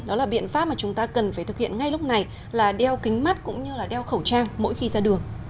đó là biện pháp mà chúng ta cần phải thực hiện ngay lúc này là đeo kính mắt cũng như là đeo khẩu trang mỗi khi ra đường